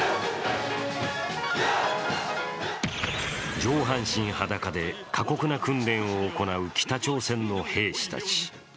上半身裸で過酷な訓練を行う北朝鮮の兵士たち。